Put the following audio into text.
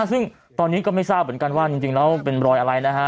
ซึ่งตอนนี้ก็ไม่ทราบเหมือนกันว่าจริงแล้วเป็นรอยอะไรนะฮะ